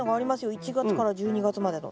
１月から１２月までの。